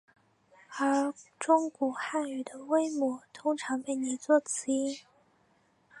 而中古汉语的微母通常被拟作此音。